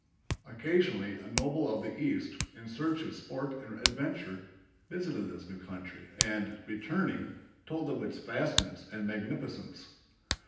Occasionally a noble of the East, in search of sport and adventure, visited this new country and, returning, told of its vastness and magnificence.